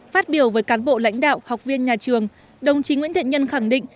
phát biểu với cán bộ lãnh đạo học viên nhà trường đồng chí nguyễn thiện nhân khẳng định